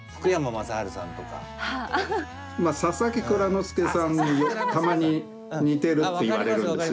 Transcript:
佐々木蔵之介さんにたまに似てるって言われるんですよ。